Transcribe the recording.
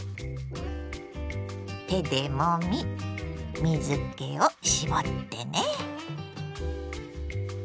手でもみ水けを絞ってね。